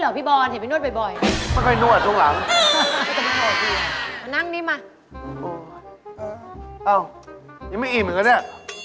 เอ้ายังไม่อิ่มอ่ะเนี่ย